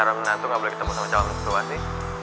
karena menantu ga boleh ketemu sama cowok menantu asli